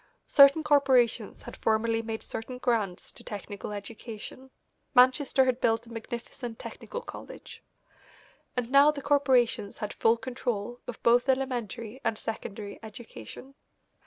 Certain corporations had formerly made certain grants to technical education Manchester had built a magnificent technical college and now the corporations had full control of both elementary and secondary education.